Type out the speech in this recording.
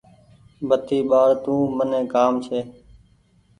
بتي ٻآڙ تو مني ڪآم ڇي۔